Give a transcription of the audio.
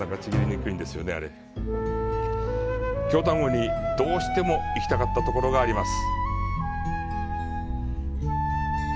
京丹後に、どうしても行きたかったところがあります。